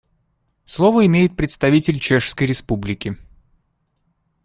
Слово имеет представитель Чешской Республики.